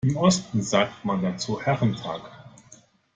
Im Osten sagt man dazu Herrentag.